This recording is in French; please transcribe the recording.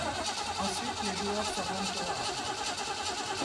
Ensuite, les joueurs se rendent au Havre.